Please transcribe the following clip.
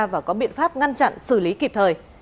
và có biện pháp ngăn chặn xử lý kịp thời